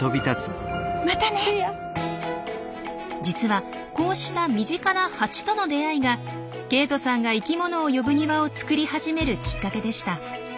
実はこうした身近なハチとの出会いがケイトさんが生きものを呼ぶ庭をつくり始めるきっかけでした。